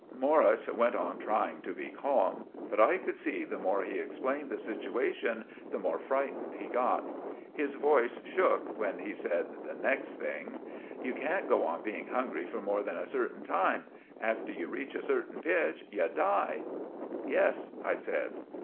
Morris went on trying to be calm, but I could see the more he explained the situashun the more fritened he got. His voice shook when he said the next thing. "You can't go on being hungry for more than a certain time. After you reech a certain pich, you die." "Yes," I said.